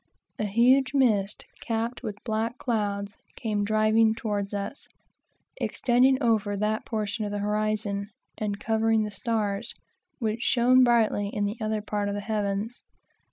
A huge mist capped with black clouds came driving towards us, extending over that quarter of the horizon, and covering the stars, which shone brightly in the other part of the heavens.